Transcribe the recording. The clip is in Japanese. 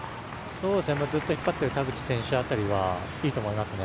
ずっと引っ張ってる田口選手はいいと思います。